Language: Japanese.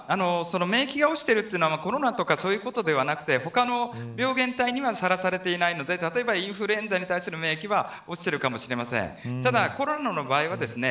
免疫が落ちているというのはコロナとかそういうことではなくて他の病原体にはさらされていないので、例えばインフルエンザなどに対する免疫は落ちているかもしれません。